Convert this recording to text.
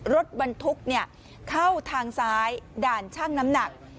รถบรรทุกเข้าทางซ้ายด่านช่างน้ำหนัก